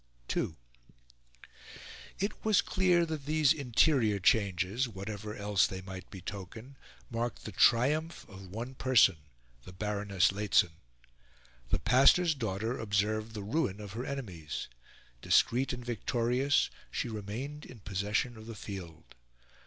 II It was clear that these interior changes whatever else they might betoken marked the triumph of one person the Baroness Lehzen. The pastor's daughter observed the ruin of her enemies. Discreet and victorious, she remained in possession of the field.